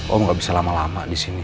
om gak bisa lama lama disini